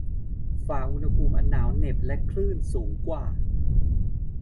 ฝ่าอุณหภูมิอันหนาวเหน็บและคลื่นสูงกว่า